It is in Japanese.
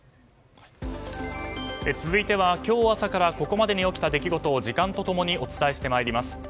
続いては今日朝からここまでに起きた出来事を時間と共にお伝えしてまいります。